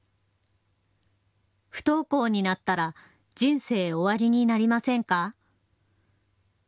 不登校になったら人生終わりになりませんか。